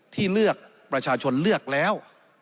ที่เลือกประชาชนเลือกแล้ว